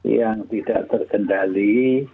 yang tidak terkendali